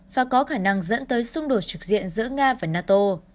và có khả năng dẫn tới xung đột trục diện giữa nga và nato